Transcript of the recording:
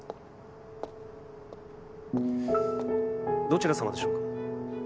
どちらさまでしょうか。